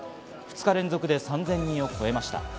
２日連続で３０００人を超えました。